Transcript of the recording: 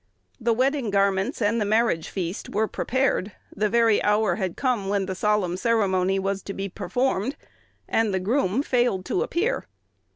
The wedding garments and the marriage feast were prepared, the very hour had come when the solemn ceremony was to be performed; and the groom failed to appear!